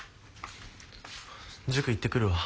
塾行ってくるわ。